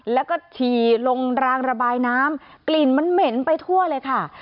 แล้วก็ฉี่ลงรางระบายน้ำกลิ่นมันเหม็นไปทั่วเลยค่ะ